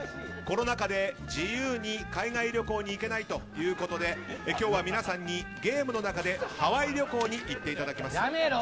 コロナ禍で自由に海外旅行に行けないということで今日は皆さんにゲームの中でハワイ旅行に行っていただきます。